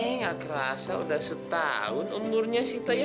ini gak kerasa udah setahun umurnya sita ya